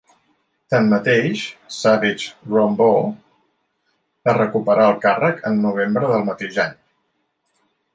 Tanmateix, Savage-Rumbaugh va recuperar el càrrec en novembre del mateix any.